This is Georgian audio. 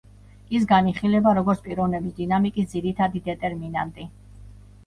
ის განიხილება, როგორც პიროვნების დინამიკის ძირითადი დეტერმინანტი.